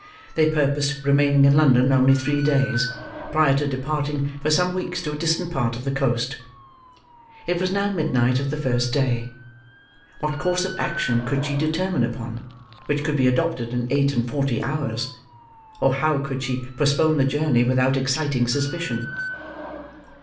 They purposed remaining in London only three days, prior to departing for some weeks to a distant part of the coast. It was now midnight of the first day. What course of action could she determine upon, which could be adopted in eight and forty hours? Or how could she postpone the journey without exciting suspicion?